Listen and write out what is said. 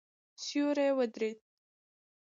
سیوری ودرېد.